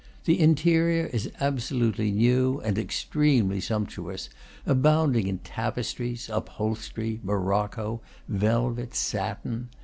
The interior is absolutely new and extremely sump tuous, abounding in tapestries, upholstery, morocco, velvet, satin.